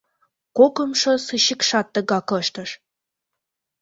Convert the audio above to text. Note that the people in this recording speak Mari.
Кокымшо сыщикшат тыгак ыштыш: